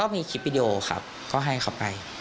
มีคลิปวิดีโอครับก็ให้เขาไป